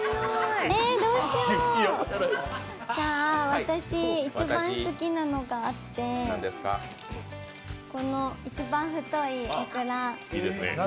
ええ、どうしよう私、一番好きなのがあってこの一番太いオクラ。